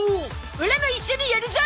オラも一緒にやるゾ！